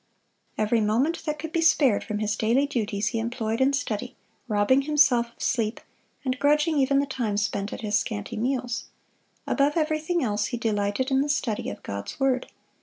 Every moment that could be spared from his daily duties he employed in study, robbing himself of sleep, and grudging even the time spent at his scanty meals. Above everything else he delighted in the study of God's word.